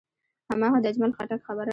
هماغه د اجمل خټک خبره.